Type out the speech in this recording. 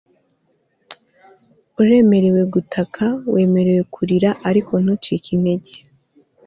uremerewe gutaka, wemerewe kurira ariko ntucike intege